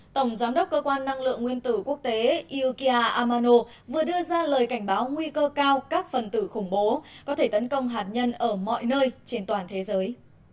tổng giám đốc cơ quan năng lượng nguyên tử quốc tế iokia amano vừa đưa ra lời cảnh báo nguy cơ cao các phần tử khủng bố có thể tấn công hạt nhân ở mọi nơi trên toàn thế giới